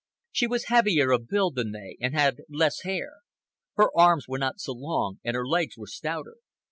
She was heavier of build than they, and had less hair. Her arms were not so long, and her legs were stouter.